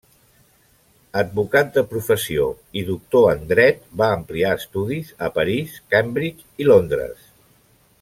Advocat de professió i doctor en Dret, va ampliar estudis a París, Cambridge i Londres.